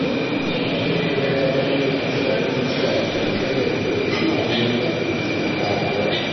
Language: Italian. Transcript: Apparteneva ai baroni Mazziotti di Celso, discendenti degli omonimi patrizi di Capua.